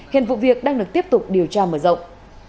hiện vụ việc đang được tiếp tục điều tra mở rộng